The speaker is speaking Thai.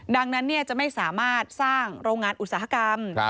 ดังนั้นจะไม่สามารถสร้างโรงงานอุตสาหกรรม